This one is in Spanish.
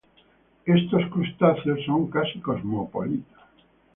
Estos crustáceos son casi cosmopolitas.